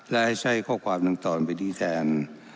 และให้ใช้ข้อความหนึ่งตอนไปดีแทน